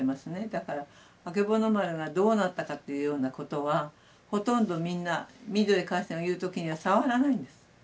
だからあけぼの丸がどうなったかっていうようなことはほとんどみんなミッドウェー海戦を言う時には触らないんです。